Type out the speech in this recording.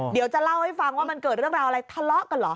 เดี๋ยวจะเล่าให้ฟังว่ามันเกิดเรื่องราวอะไรทะเลาะกันเหรอ